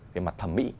về mặt thẩm mỹ